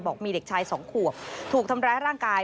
บอกมีเด็กชายสองขวบถูกทำร้ายร่างกาย